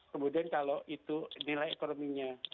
kemudian kalau itu nilai ekonominya